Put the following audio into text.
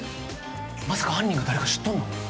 まさか犯人が誰か知っとるの？